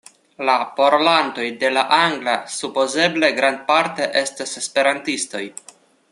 La parolantoj de la angla supozeble grandparte estas esperantistoj.